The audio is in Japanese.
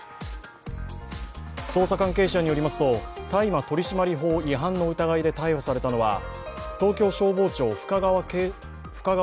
捜査関係者によりますと大麻取締法違反の疑いで逮捕されたのは東京消防庁深川